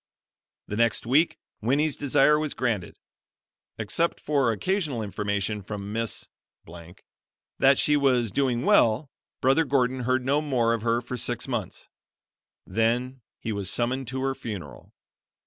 The next week Winnie's desire was granted. Except for occasional information from Miss that she was doing well, Brother Gordon heard no more of her for six months. Then he was summoned to her funeral.